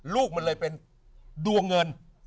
ลูกมันเลยเป็นดวงเงิน